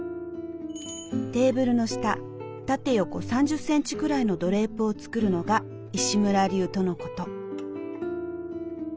テーブルの下縦横３０ｃｍくらいのドレープを作るのが石村流とのこと。